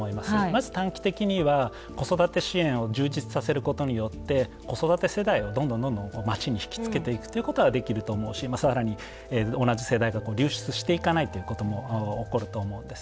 まず短期的には子育て支援を充実させることによって子育て世代をどんどんどんどん町に引き付けていくっていうことはできると思うし更に同じ世代が流出していかないということも起こると思うんですね。